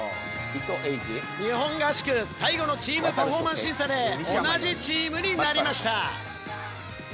日本合宿最後のチーム・パフォーマンス審査で同じチームになりました。